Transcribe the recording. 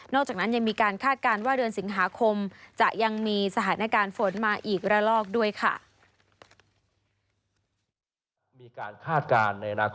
จากนั้นยังมีการคาดการณ์ว่าเดือนสิงหาคมจะยังมีสถานการณ์ฝนมาอีกระลอกด้วยค่ะ